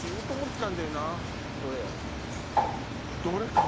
どれやろ？